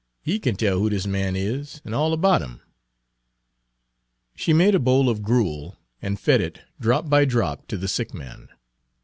He kin tell who dis man is, an' all erbout 'im." She made a bowl of gruel, and fed it, drop by drop, to the sick man.